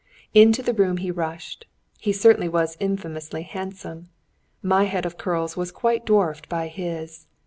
Into the room he rushed. He certainly was infamously handsome. My head of curls was quite dwarfed by his.